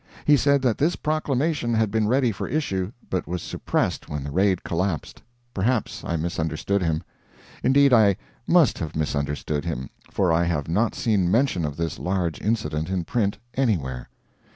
He said that this proclamation had been ready for issue, but was suppressed when the raid collapsed. Perhaps I misunderstood him. Indeed, I must have misunderstood him, for I have not seen mention of this large incident in print anywhere.